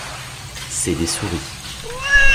C’est des souris.